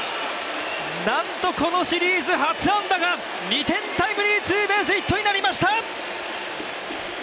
なんとこのシリーズ初安打が２点ツーベースヒットになりました！